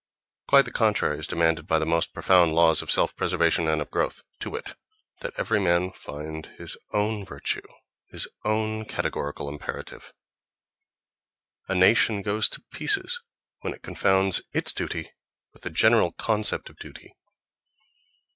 Quite the contrary is demanded by the most profound laws of self preservation and of growth: to wit, that every man find his own virtue, his own categorical imperative. A nation goes to pieces when it confounds its duty with the general concept of duty.